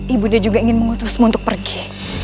ibunya juga ingin mengutusmu untuk pergi